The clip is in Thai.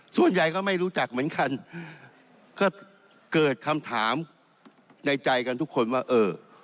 ส่วนใหญ่ก็ไม่รู้จักเหมือนกันก็เกิดคำถามในใจกันทุกคนว่าเออ